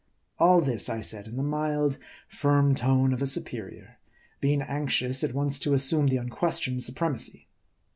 All this I said in the mild, firm tone of a superior ; being anxious, at once to assume the unquestioned supremacy.